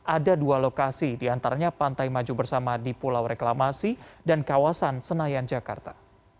ada dua lokasi diantaranya pantai maju bersama di pulau reklamasi dan kawasan senayan jakarta